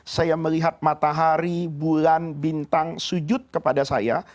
saya melihat matahari bulan bintang sujud kepada saya